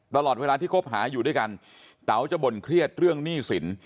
ตลอดเวลาที่คบหาอยู่ด้วยกันเต๋าจะบ่นเครียดเรื่องหนี้สิน